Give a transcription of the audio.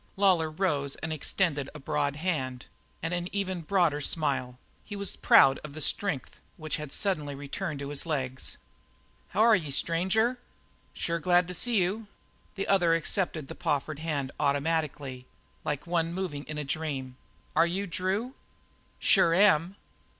Lawlor rose and extended a broad hand and an even broader smile; he was proud of the strength which had suddenly returned to his legs. "H'ware ye, stranger? Sure glad to see you." The other accepted the proffered hand automatically, like one moving in a dream. "Are you Drew?" "Sure am."